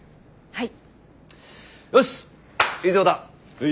はい。